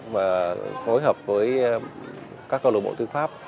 và hối hợp với các cơ lộc bộ từ pháp